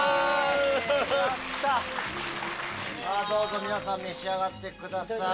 どうぞ皆さん召し上がってください。